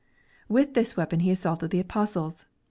With this weapon he assaulted the apostles.